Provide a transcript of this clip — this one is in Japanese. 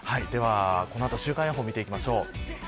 この後、週間予報を見ていきましょう。